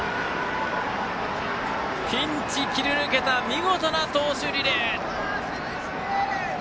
ピンチを切り抜けた見事な投手リレー！